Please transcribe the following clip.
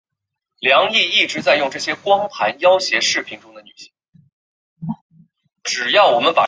殿试登进士第二甲第七十三名。